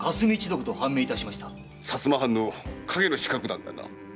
薩摩藩の影の刺客団だな。